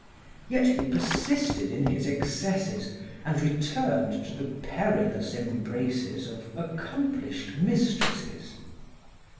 Yet he persisted in his excesses and returned to the perilous embraces of accomplished mistresses.